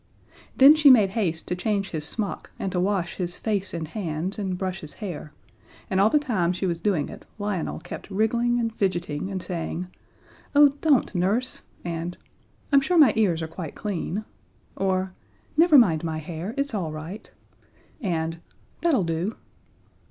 Then she made haste to change his smock and to wash his face and hands and brush his hair, and all the time she was doing it Lionel kept wriggling and fidgeting and saying, "Oh, don't, Nurse," and, "I'm sure my ears are quite clean," or, "Never mind my hair, it's all right," and, "That'll do."